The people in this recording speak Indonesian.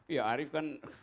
iya arief kan